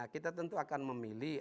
kita tentu akan memilih